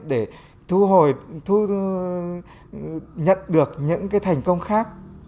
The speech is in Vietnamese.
để thu hồi nhận được những thành công khác